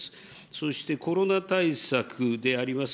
そしてコロナ対策であります。